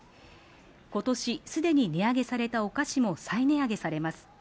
今年すでに値上げされたお菓子も再値上げされます。